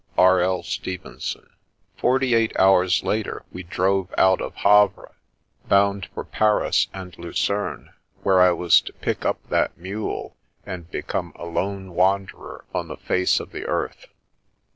— R. L. Stevenson. Forty eight hours later we drove out of Havre, bound for Paris and Lucerne, where I was to " pick up " that mule, and become a lone wanderer on the face of the earth.